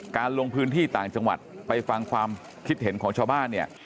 ลงพื้นที่ต่างจังหวัดไปฟังความคิดเห็นของชาวบ้านเนี่ย